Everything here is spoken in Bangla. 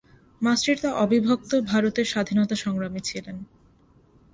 মাস্টারদা অবিভক্ত ভারতের স্বাধীনতা সংগ্রামী ছিলেন।